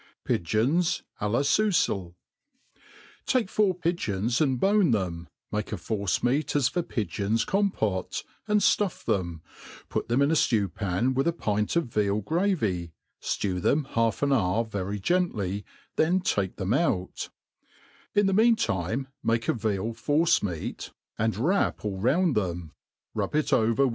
Pigeons a la SouJfeL TAKE four pigeons and bone them ; make a force meat as fo/ pigeons Compote, and fluff them, put them in a ftew pan with a pint of veal g^'avy, ftew them half an hour very gently^ (hen take them out; in the meantime make a yeal force«meac and MADE PLAIN AND. EASY. 93 And wrap all round theno, riib it over witb.